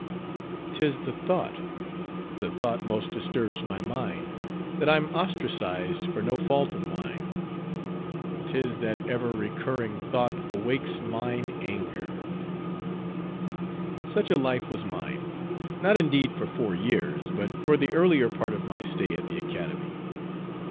'Tis the thought, the thought most disturbs my mind, That I'm ostracized for no fault of mine, 'Tis that ever recurring thought awakes Mine anger Such a life was mine, not indeed for four years, but for the earlier part of my stay at the Academy.